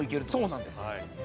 そうなんです。